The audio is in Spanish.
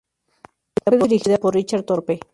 Fue dirigida por Richard Thorpe.